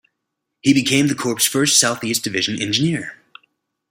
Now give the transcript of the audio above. He became the Corps' first Southeast Division Engineer.